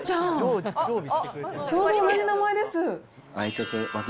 ちょうど同じ名前です。